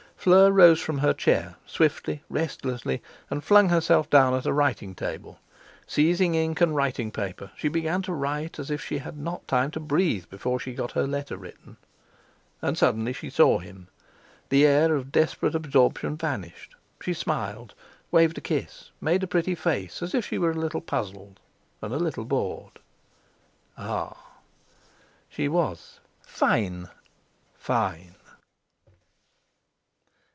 Fleur rose from her chair swiftly, restlessly; and flung herself down at a writing table. Seizing ink and writing paper, she began to write as if she had not time to breathe before she got her letter written. And suddenly she saw him. The air of desperate absorption vanished, she smiled, waved a kiss, made a pretty face as if she were a little puzzled and a little bored. Ah! She was "fine"—"fine!"